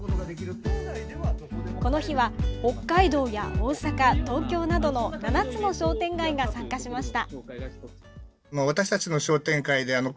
この日は、北海道や大阪東京などの７つの商店街が参加しました。